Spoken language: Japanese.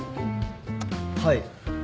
・はい。